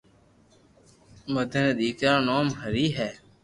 مدن ري دآڪرا نوم ھري ھي